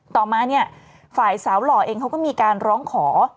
ต่อมาเนี่ยฝ่ายสาวหล่อเองเขาก็มีการร้องขอ